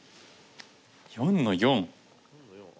４の四。